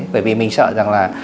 bởi vì mình sợ rằng là